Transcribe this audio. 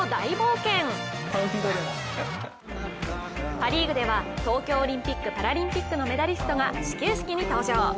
パ・リーグでは東京オリンピック・パラリンピックのメダリストが始球式に登場。